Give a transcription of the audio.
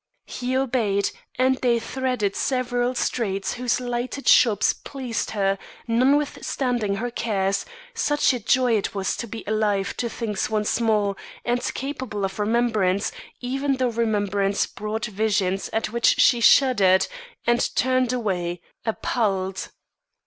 He obeyed, and they threaded several streets whose lighted shops pleased her, notwithstanding her cares; such a joy it was to be alive to things once more, and capable of remembrance, even though remembrance brought visions at which she shuddered, and turned away, appalled.